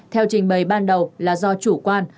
theo trình bày ban đầu là do chủ quan